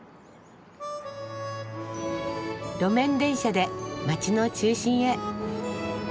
路面電車で街の中心へ。